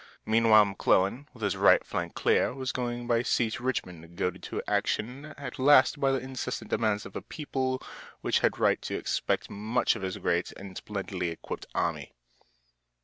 Meanwhile McClellan, with his right flank clear, was going by sea to Richmond, goaded to action at last by the incessant demands of a people which had a right to expect much of his great and splendidly equipped army.